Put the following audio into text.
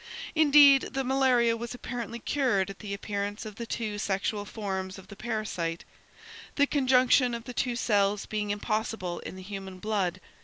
Indeed, the malaria was apparently cured at the appearance of the two sexual forms of the parasite, the conjunction of the two cells being impossible in the human blood.